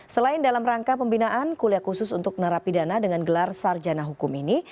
selain dalam rangka pembinaan kuliah khusus untuk narapidana dengan gelar sarjana hukum ini